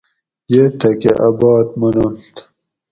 یہ تھہ کہ اۤ بات مننت